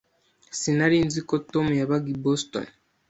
Sinari nzi ko Tom yabaga i Boston.